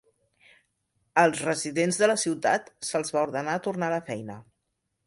Als residents de la ciutat se'ls va ordenar tornar a la feina.